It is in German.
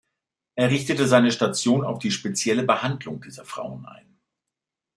Er richtete seine Station auf die spezielle Behandlung dieser Frauen ein.